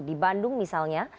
di bandung misalnya